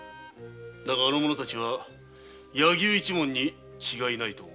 だがあの者たちは柳生一門に違いないと思う。